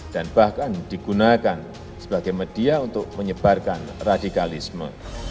dan bahkan digunakan sebagai media untuk menyebarkan radikalisme